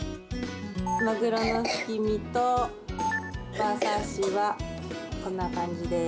マグロのすき身と、馬刺しはこんな感じです。